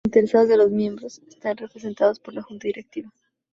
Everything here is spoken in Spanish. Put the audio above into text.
Los intereses de los miembros están representados por la Junta Directiva.